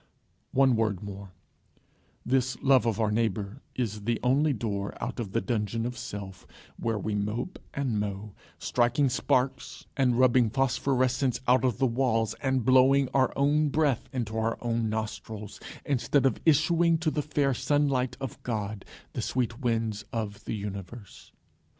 One word more: This love of our neighbour is the only door out of the dungeon of self, where we mope and mow, striking sparks, and rubbing phosphorescences out of the walls, and blowing our own breath in our own nostrils, instead of issuing to the fair sunlight of God, the sweet winds of the universe.